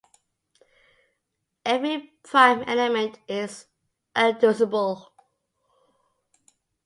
Every prime element is irreducible.